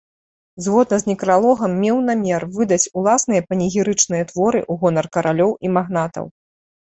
Згодна з некралогам меў намер выдаць ўласныя панегірычныя творы у гонар каралёў і магнатаў.